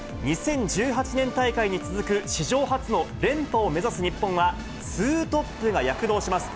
２０１８年大会に続く、史上初の連覇を目指す日本は、２トップが躍動します。